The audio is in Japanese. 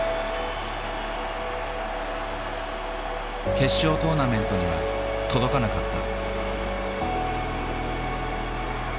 決勝トーナメントには届かなかった。